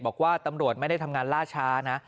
บอกว่าตำรวจไม่ได้ทำงานล่าช้านะ